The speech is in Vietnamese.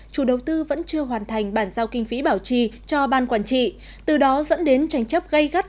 chủ đầu tư vẫn chưa hoàn thành bản giao kinh phí bảo trì cho ban quản trị từ đó dẫn đến tranh chấp gây gắt